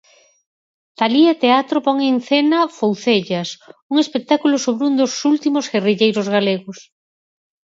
Talía Teatro pon en cena Foucellas, un espectáculo sobre un dos últimos guerrilleiros galegos.